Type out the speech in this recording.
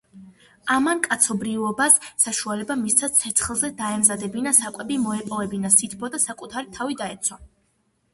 ამან კაცობრიობას საშუალება მისცა, ცეცხლზე დაემზადებინა საკვები, მოეპოვებინა სითბო და საკუთარი თავი დაეცვა.